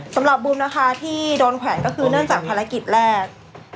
บูมนะคะที่โดนแขวนก็คือเนื่องจากภารกิจแรก